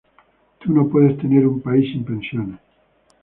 Tú no puedes tener un país sin pensiones.